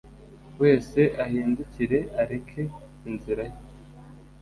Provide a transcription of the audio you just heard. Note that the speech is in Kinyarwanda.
Wese Ahindukire Areke Inzira Ye